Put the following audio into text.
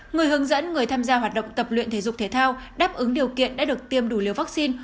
người hướng dẫn người tham gia hoạt động tập luyện thể dục thể thao đáp ứng điều kiện đã được tiêm đủ liều vaccine